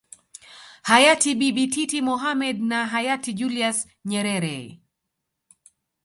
Hayati bibi titi Mohamed na Hayati Julius Nyerere